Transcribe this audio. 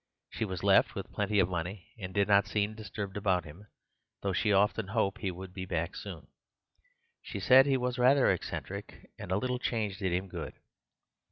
She was left with plenty of money and did not seem disturbed about him, though she often hoped he would be back soon. She said he was rather eccentric and a little change did him good.